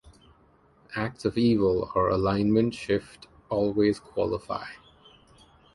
Acts of Evil or alignment shift always qualify.